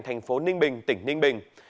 thành phố ninh bình tỉnh ninh bình